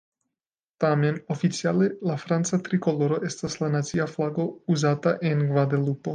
Tamen, oficiale la franca trikoloro estas la nacia flago uzata en Gvadelupo.